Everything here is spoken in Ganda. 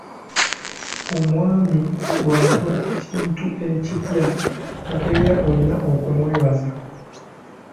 Omwami bw'agula ekintu ekipya obeera olina okumwebaza.